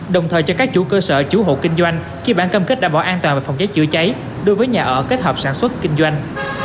đồng thời cho các chủ cơ sở chủ hộ kinh doanh khi bản cam kết đảm bảo an toàn về phòng cháy chữa cháy đối với nhà ở kết hợp sản xuất kinh doanh